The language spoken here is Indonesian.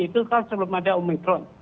itu kan sebelum ada omikron